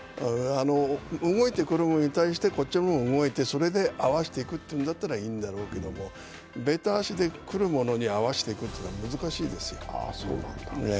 動いてくるものに対してこっちも動いてそれで合わせていくというんならいいんだけどべた足で来るものに合わせていくというのは難しいですよ。